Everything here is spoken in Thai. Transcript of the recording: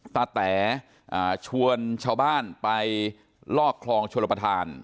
แต๋ชวนชาวบ้านไปลอกคลองชลประธาน